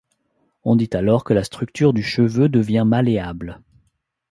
On dit alors que la structure du cheveu devient malléable.